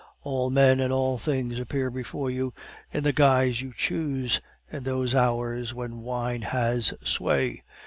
"All men and all things appear before you in the guise you choose, in those hours when wine has sway.